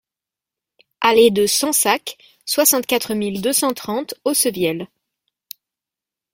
Allée de Sensacq, soixante-quatre mille deux cent trente Aussevielle